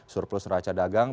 surplus raca dagang